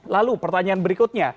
lalu pertanyaan berikutnya